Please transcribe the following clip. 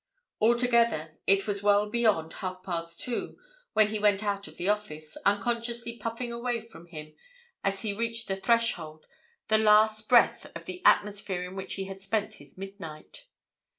Altogether it was well beyond half past two when he went out of the office, unconsciously puffing away from him as he reached the threshold the last breath of the atmosphere in which he had spent his midnight.